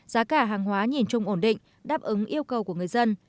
giá cả hàng hóa nhìn chung ổn định đáp ứng yêu cầu của người dân